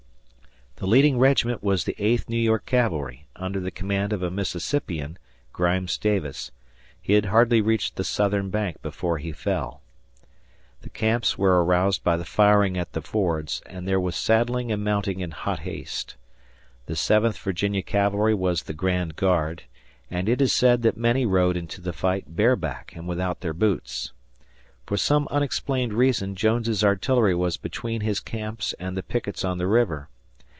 The leading regiment was the Eighth New York Cavalry under the command of a Mississippian, "Grimes" Davis. He had hardly reached the southern bank before he fell. The camps were aroused by the firing at the fords, and there was saddling and mounting in hot haste. The Seventh Virginia Cavalry was the grand guard, and it is said that many rode into the fight bareback and without their boots. For some unexplained reason Jones's artillery was between his camps and the pickets on the river.